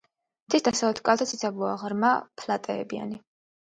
მთის დასავლეთ კალთა ციცაბოა, ღრმა ფლატეებიანი.